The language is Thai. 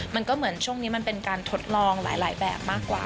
มันก็เหมือนช่วงนี้มันเป็นการทดลองหลายแบบมากกว่า